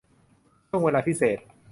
ช่วงเวลาพิเศษ